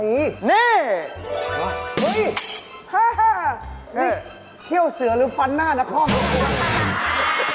นี่เที่ยวเสือหรือฟันหน้านะข้อมูล